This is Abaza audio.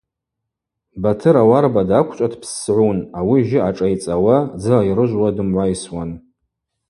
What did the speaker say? Батыр ауарба даквчӏва дпссгӏун, ауи жьы ашӏайцӏауа, дзы айрыжвуа дымгӏвайсуан.